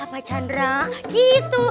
pak chandra gitu